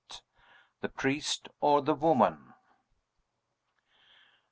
THE PRIEST OR THE WOMAN?